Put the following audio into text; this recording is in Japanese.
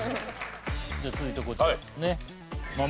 じゃあ続いてこちら。